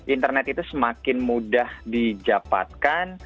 internet itu semakin mudah dijapatkan